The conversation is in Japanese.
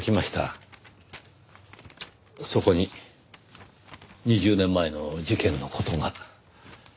そこに２０年前の事件の事が。